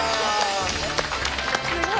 すごい。